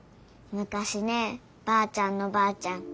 むかしねばあちゃんのばあちゃん